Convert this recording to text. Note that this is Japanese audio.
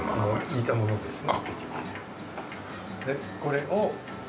煮たものですね